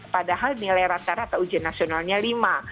padahal nilai rata rata ujian nasionalnya lima